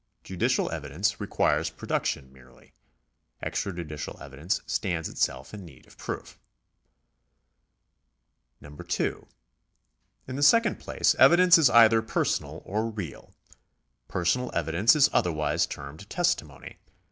Judicial evi dence requires production merely ; extrajudicial evidence stands itself in need of proof. 2. In the second place evidence is either personal or real. Personal evidence is otherwise termed testimony.